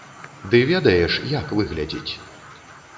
Ды ведаеш, як выглядзіць?